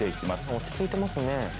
落ち着いてますね。